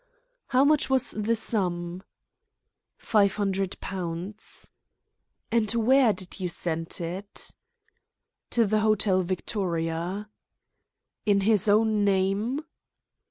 "How much was the sum?" "Five hundred pounds." "And where did you send it?" "To the Hotel Victoria." "In his own name?"